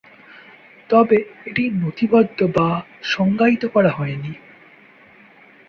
তবে এটি নথিবদ্ধ বা সংজ্ঞায়িত করা হয়নি।